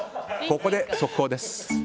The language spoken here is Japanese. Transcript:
ここで速報です。